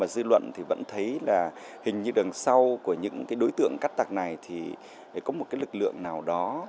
dư luận thì vẫn thấy là hình như đằng sau của những đối tượng cắt tặc này thì có một lực lượng nào đó